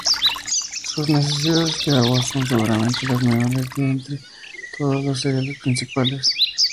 Sus necesidades de agua son seguramente las menores de entre todos los cereales principales.